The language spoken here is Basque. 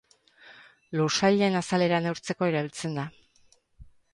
Lur-sailen azalera neurtzeko erabiltzen da.